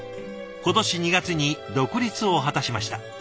今年２月に独立を果たしました。